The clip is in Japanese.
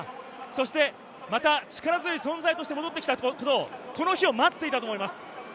そして力強い存在として戻ってきた、この日を待っていたと思います。